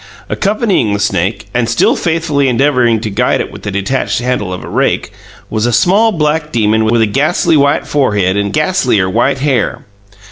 Accompanying the snake, and still faithfully endeavouring to guide it with the detached handle of a rake, was a small black demon with a gassly white forehead and gasslier white hair.